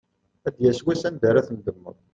Ad d-yas wass anda ara tendemmeḍ.